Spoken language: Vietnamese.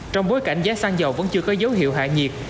trong bối cảnh giá xăng dầu vẫn chưa có dấu hiệu hạ nhiệt